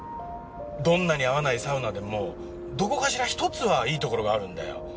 どんなに合わないサウナでもどこかしら１つはいいところがあるんだよ。